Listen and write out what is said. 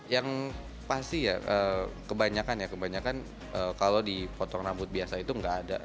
yang pasti ya kebanyakan ya kebanyakan kalau dipotong rambut biasa itu nggak ada